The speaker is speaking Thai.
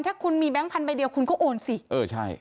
ถ้าคุณมีแบงค์พันธุ์ใบเดียวคุณก็โอนสิ